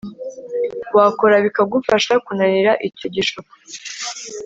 wakora bikagufasha kunanira icyo gishuko